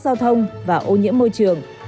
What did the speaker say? giao thông và ô nhiễm môi trường